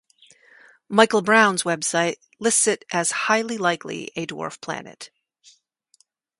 Michael Brown's website lists it as highly likely a dwarf planet.